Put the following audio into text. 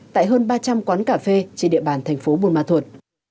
tại hơn ba trăm linh quán cà phê trên địa bàn thành phố buôn ma thuột